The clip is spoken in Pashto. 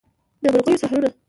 د مرغیو سحرونه